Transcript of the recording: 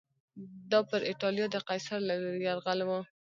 دا پر اېټالیا د قیصر له لوري یرغل و